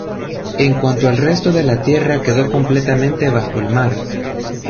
En cuanto al resto de la tierra quedó completamente bajo el mar.